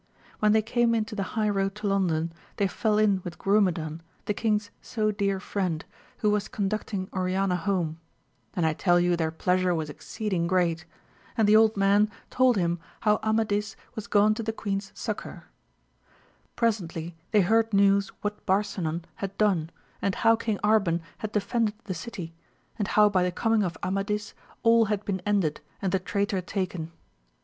When they came into the high road to London they fell in wit\i Citvmi^^^i[v,>2^^V\xi^^ ^^ ^vi^^3c\!QsA^'««\Na AMADI8 OF GAUL, 209 was conducting Oriana home; and I tell yon their pleasure was exceeding great, and the old man told him how Amadis was gone to the queen's succour. Presently they heard news what Barainan had done, knd how King Arban had defended the city^ and how by the coming of Amadis all had been ended and the traitor taken.